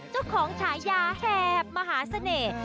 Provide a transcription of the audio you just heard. เจ้าของสายาแฮบมหาเสน่ห์